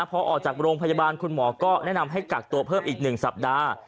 พอออกจากโรงพยาบาลคุณหมอก็แนะนำให้กักตัวเพิ่มอีก๑สัปดาห์